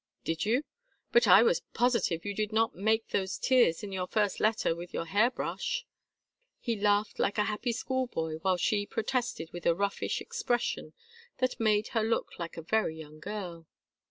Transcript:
"Did you? But I was positive you did not make those tears in your first letter with your hair brush." He laughed like a happy school boy, while she protested with a roughish expression that made her look like a very young girl.